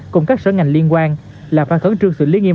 cùng các sở ngành liên quan là phát thấn trường sự lý nghiêm